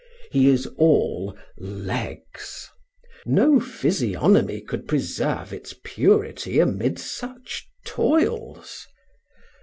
He is all legs. No physiognomy could preserve its purity amid such toils.